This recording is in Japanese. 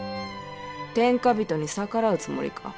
天下人に逆らうつもりか。